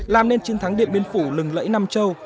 làm nên chiến thắng điện biên phủ lừng lẫy nam châu